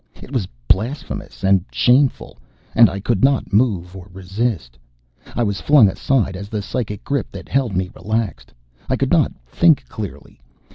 It was blasphemous and shameful, and I could not move or resist! I was flung aside as the psychic grip that held me relaxed. I could not think clearly.